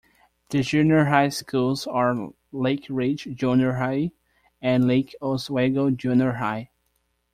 The junior high schools are Lakeridge Junior High and Lake Oswego Junior High.